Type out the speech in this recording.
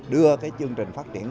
đưa chương trình phát triển